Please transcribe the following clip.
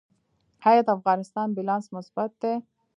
آیا د افغانستان بیلانس مثبت دی؟